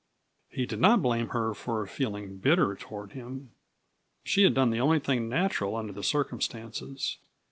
He did not blame her for feeling bitter toward him; she had done the only thing natural under the circumstances.